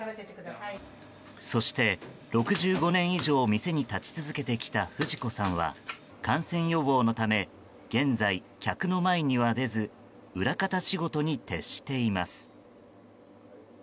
そして６５年以上店に立ち続けてきた不二子さんは感染予防のため現在、客の前には出ず裏方仕事に徹しています。